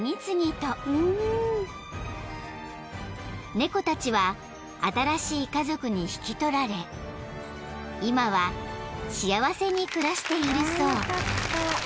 ［猫たちは新しい家族に引き取られ今は幸せに暮らしているそう］